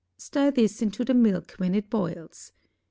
Stir this into the milk when it boils.